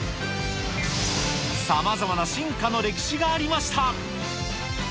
さまざまな進化の歴史がありました。